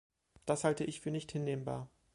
Das halte ich für nicht hinnehmbar.